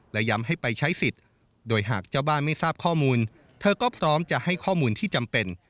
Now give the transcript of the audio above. และย้ำให้ไปใช้สิทธิ์โดยหากเจ้าบ้านไม่ทราบข้อมูลเธอก็พร้อมจะให้ข้อมูลที่จำเป็น